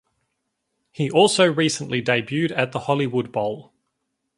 He also recently debuted at the Hollywood Bowl.